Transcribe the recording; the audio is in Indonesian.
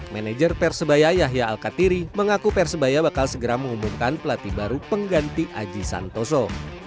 manajer persebaya yahya al katiri mengaku persebaya bakal segera mengumumkan pelatih baru pengganti aji santoso